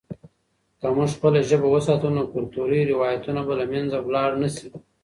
که موږ خپله ژبه وساتو، نو کلتوري روایتونه به له منځه لاړ نه سي.